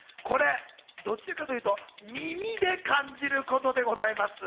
どちらかというと耳で感じることでございます。